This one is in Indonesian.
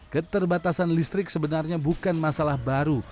keterbatasan listrik sebenarnya bukan masalah baru